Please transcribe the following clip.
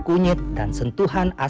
kunyit dan sentuhan asma